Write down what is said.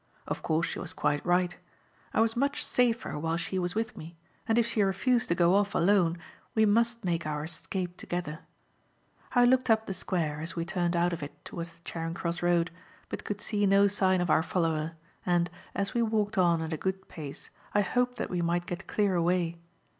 Of course she was quite right. I was much safer while she was with me, and if she refused to go off alone, we must make our escape together. I looked up the square as we turned out of it towards the Charing Cross Road, but could see no sign of our follower, and, as we walked on at a good pace, I hoped that we might get clear away.